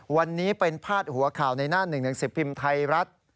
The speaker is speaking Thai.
วันนี้เป็นภาษาหัวข่าวในหน้า๑๑๐พิมพ์ไทยรัฐ